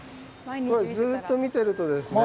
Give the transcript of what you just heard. これずっと見てるとですね。